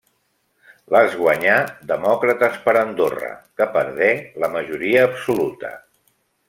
Les guanyà Demòcrates per Andorra, que perdé la majoria absoluta.